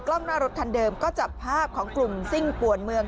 กล้องหน้ารถคันเดิมก็จับภาพของกลุ่มซิ่งป่วนเมือง